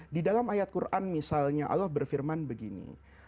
di dalam ayat quran misalnya allah berfirman begini